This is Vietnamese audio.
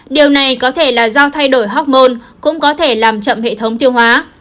điều này có thể là do thay đổi hormone cũng có thể làm chậm hệ thống tiêu hóa